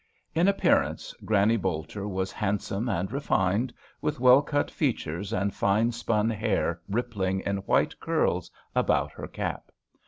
In appearance Granny Bolter was hand some and refined, with well cut features and fine spun hair rippling in white curls about her cap.